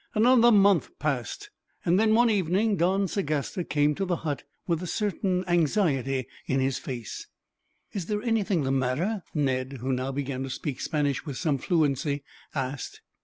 Another month passed; and then, one evening, Don Sagasta came to the hut with a certain anxiety in his face. "Is there anything the matter?" Ned, who now began to speak Spanish with some fluency, asked.